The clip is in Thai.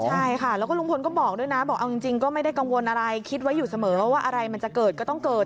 ใช่ค่ะแล้วก็ลุงพลก็บอกด้วยนะบอกเอาจริงก็ไม่ได้กังวลอะไรคิดไว้อยู่เสมอว่าอะไรมันจะเกิดก็ต้องเกิด